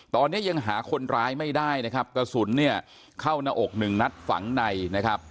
ตอนนี้ยังหาคนร้ายไม่ได้นะครับกระสุนเนี่ยเข้าหน้าอกหนึ่งนัดฝังในนะครับ